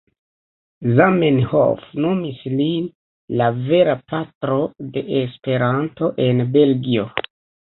Zamenhof nomis lin "la vera patro de Esperanto en Belgio".